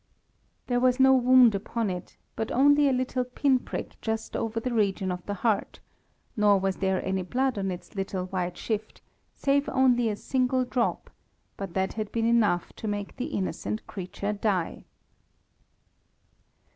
There was no wound upon it, but only a little pin prick just over the region of the heart, nor was there any blood on its little white shift, save only a single drop, but that had been enough to make the innocent creature die.